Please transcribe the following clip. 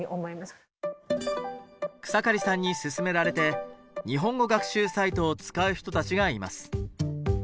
草刈さんに薦められて日本語学習サイトを使う人たちがいます。